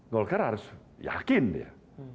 golkar harus yakin dia